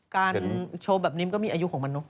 การโชว์แบบนี้มันก็มีอายุของมันเนอ